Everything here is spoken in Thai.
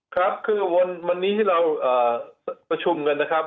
ครับคือวันนี้เราประชุมกันนะครับ